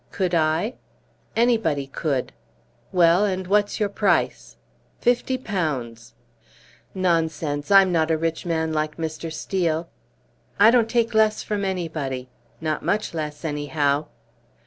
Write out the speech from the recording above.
"Could I?" "Anybody could." "Well, and what's your price?" "Fifty pounds." "Nonsense! I'm not a rich man like Mr. Steel." "I don't take less from anybody not much less, anyhow!"